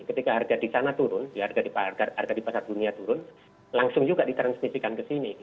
ketika harga di sana turun harga di pasar dunia turun langsung juga ditransmisikan ke sini